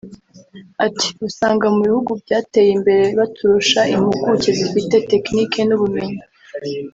Ati″Usanga mu bihugu byateye imbere baturusha impuguke zifite tekiniki n’ubumenyi